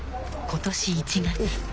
今年１月。